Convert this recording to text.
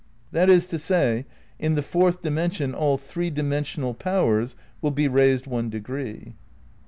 That is to say, in the fourth dimension all three dimensional powers will be raised one degree.